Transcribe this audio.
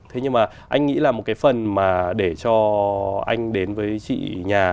thế nhưng mà anh nghĩ là một cái phần mà để cho anh đến với chị nhà